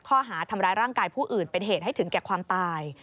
ข้อหาทำร้ายร่างกายผู้อื่นเป็นเหตุให้ถึงแก่ความตาย